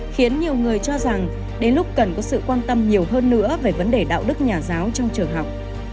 khiến nhiều người cho rằng đến lúc cần có sự quan tâm nhiều hơn nữa về vấn đề đạo đức nhà giáo trong trường học